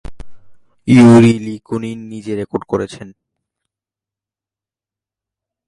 Yuri Nikulin নিজে record করেছেন।